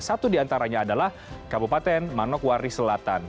satu diantaranya adalah kabupaten manokwari selatan